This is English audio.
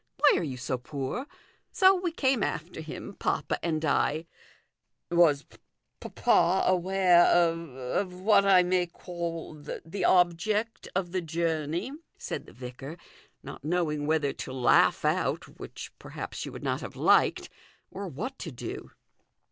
Why are you so poor ? So we came after him, papa and I "" Was papa aware of of what I may call the object of the journey ?" said the vicar, not knowing whether to laugh out, which, perhaps, she would not have liked, or what to do.